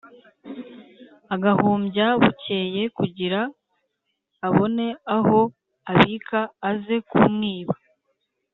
Agahumbya bukeya kugira abone aho abika aze kumwiba